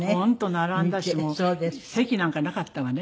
並んだしもう席なんかなかったわね。